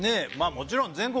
もちろん全国